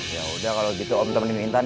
yaudah kalo gitu om temenin intan ya